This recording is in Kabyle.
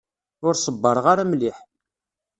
Ur ṣebbreɣ ara mliḥ.